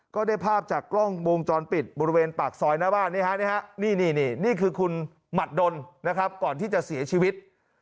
ก็ได้ภาพจากกล้องวงจรปิดบริเวณปากซอยหน้าบ้านนี่คือคุณหมัดดนนะครับก่อนที่จะเสียชีวิต